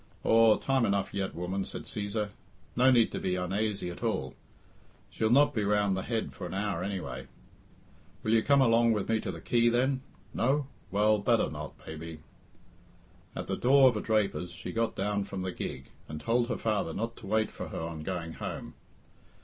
"Aw, time enough yet, woman," said Cæsar. "No need to be unaisy at all. She'll not be round the Head for an hour anyway. Will you come along with me to the quay, then? No? Well, better not, maybe." At the door of a draper's she got down from the gig, and told her father not to wait for her on going home.